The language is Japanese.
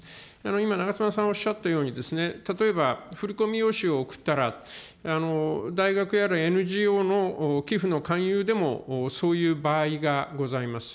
今、長妻さん、おっしゃったようにですね、例えば振り込み用紙を送ったら、大学やらＮＧＯの寄付の勧誘でもそういう場合がございます。